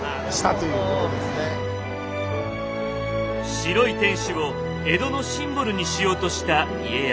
白い天守を江戸のシンボルにしようとした家康。